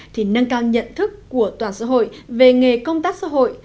thì nâng cao nhận thức của toàn xã hội về nghề công tác xã hội